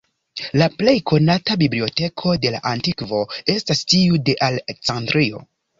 La plej konata biblioteko de la antikvo estas tiu de Aleksandrio.